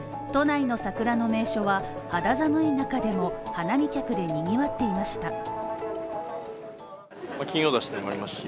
都内の桜の名所は肌寒い中でも花見客でにぎわっていました。